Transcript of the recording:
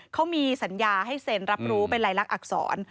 เขามีสัญญาให้เซ็นรับรู้เป็นลายลักษณอักษร